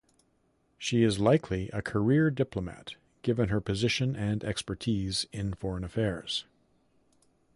She is likely a career diplomat, given her position and expertise in foreign affairs.